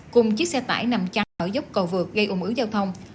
cùng chiếc xe tải nằm chặt ở dốc cầu vượt gây ủng ứng giao thông